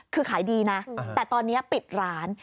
คือขายดีนะแต่ตอนนี้ปิดร้าน